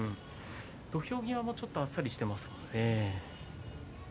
土俵際もあっさりしていますね。